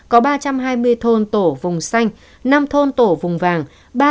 có ba trăm hai mươi thôn tổ vùng xanh năm thôn tổ vùng vàng